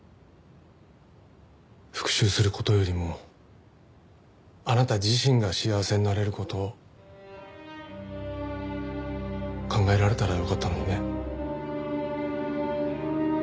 復讐する事よりもあなた自身が幸せになれる事を考えられたらよかったのにね。